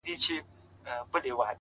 څه مي ارام پرېږده ته ـ